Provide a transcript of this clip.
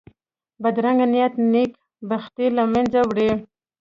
بدرنګه نیت نېک بختي له منځه وړي